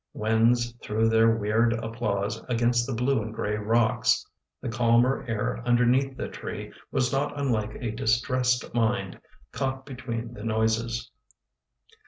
Winds threw their weird applause against the blue and gray rocks. The calmer air underneath the tree was not unlike a distressed mind caught between the noises.